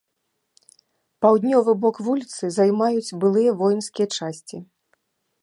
Паўднёвы бок вуліцы займаюць былыя воінскія часці.